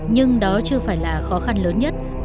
nhưng đó chưa phải là khó khăn lớn nhất